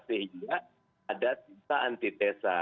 sehingga ada tersaantitesa